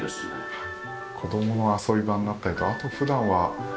はい。